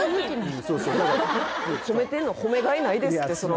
褒めてんの褒め甲斐ないですって